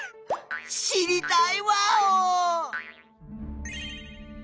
知りたいワオ！